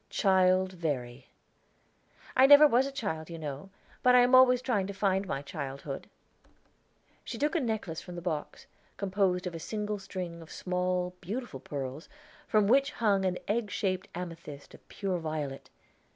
"Child Verry." "I never was a child, you know; but I am always trying to find my childhood." She took a necklace from the box, composed of a single string of small, beautiful pearls, from which hung an egg shaped amethyst of pure violet.